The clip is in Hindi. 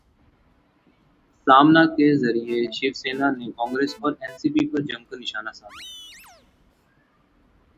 'सामना' के जरिए शिवसेना ने कांग्रेस और एनसीपी पर जमकर निशाना साधा